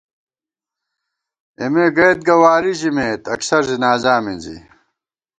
اېمےگئیت گہ واری ژِمېت اکثر زِنازا مِنزی